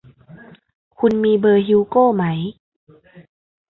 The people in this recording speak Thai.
คุณมีเบอร์ฮิวโก้ไหม